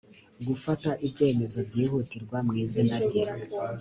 gufata ibyemezo byihutirwa mu izina rye